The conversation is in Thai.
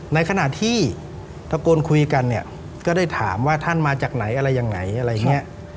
ในขณะที่ตะโกนคุยกันเนี่ยก็ได้ถามว่าท่านมาจากไหนอะไรยังไงอะไรอย่างนี้